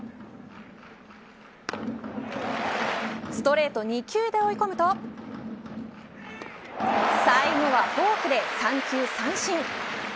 ストレート２球で追い込むと最後はフォークで３球三振。